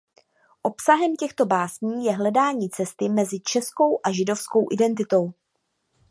Obsahem těchto básní je hledání cesty mezi českou a židovskou identitou.